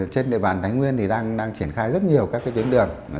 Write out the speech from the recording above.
trên địa bàn thánh nguyên thì đang triển khai rất nhiều các cái tuyến đường